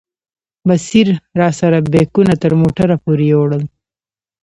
بصیر راسره بیکونه تر موټره پورې یوړل.